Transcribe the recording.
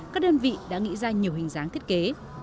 các đơn vị đã nghĩ ra nhiều hình dáng thiết kế